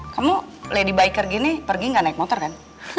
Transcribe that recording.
kamu lady biker gini pergi nggak naik motor kan